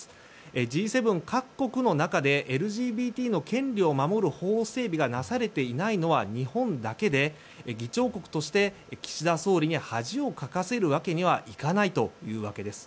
Ｇ７各国の中でＬＧＢＴの権利を守る法整備がなされていないのは日本だけで議長国として岸田総理に恥をかかせるわけにはいかないというわけです。